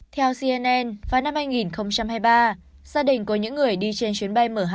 theo cnn vào năm hai nghìn hai mươi ba gia đình của những người đi trên chuyến bay mh ba trăm bảy mươi